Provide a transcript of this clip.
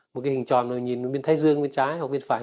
một cái hình tròn rồi nhìn bên thái dương bên trái hoặc bên phải